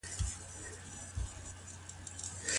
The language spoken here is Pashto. عقد کله جایز وي؟